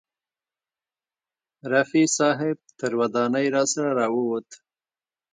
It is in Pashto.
رفیع صاحب تر ودانۍ راسره راوووت.